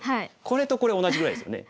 これとこれ同じぐらいですよね。